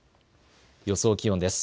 予想気温です。